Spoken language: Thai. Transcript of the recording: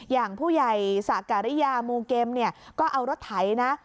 อย่างผู้ใหญ่สักการิยามูเกมเนี่ยก็เอารถไถนะ